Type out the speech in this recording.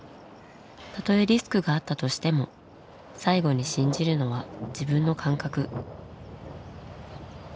たとえリスクがあったとしても最後に信じるのは自分の感覚。